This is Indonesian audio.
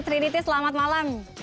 trinity selamat malam